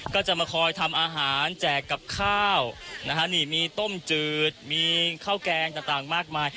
ก็จะมาคอยทำอาหารแจกกับข้าวนะฮะนี่มีต้มจืดมีข้าวแกงต่างมากมาย